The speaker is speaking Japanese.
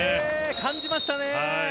感じましたね。